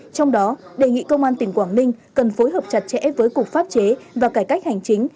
trong đó đề nghị công an tỉnh quảng ninh cần phối hợp chặt chẽ với cục pháp chế và cải cách hành chính